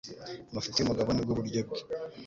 Amafuti y'umugabo nibwo buryo bwe.